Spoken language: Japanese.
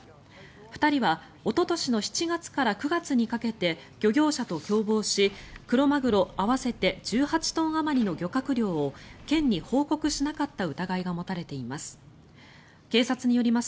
２人はおととしの７月から９月にかけて漁業者と共謀しクロマグロ合わせて１８トンあまりの漁獲量を県に報告しなかった疑いが持たれています。